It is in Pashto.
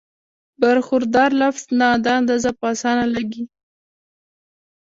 د برخوردار لفظ نه دا اندازه پۀ اسانه لګي